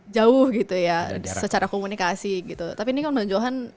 jauh gitu ya secara komunikasi gitu tapi ini kan bang johan